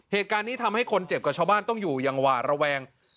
เหตุการณ์นี้ทำให้คนเจ็บกับชาวบ้านต้องอยู่อย่างหวาดระแวง